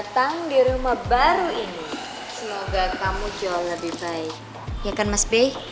pandang ke enables